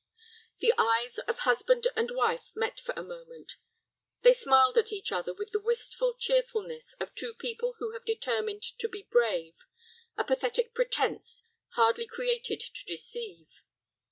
The eyes of husband and wife met for a moment. They smiled at each other with the wistful cheerfulness of two people who have determined to be brave, a pathetic pretence hardly created to deceive.